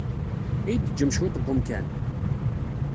Ad iyi-d-teǧǧem cwiṭ n umkan?